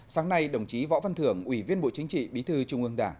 sáng nay đồng chí võ văn thưởng ủy viên bộ chính trị bí thư trung ương đảng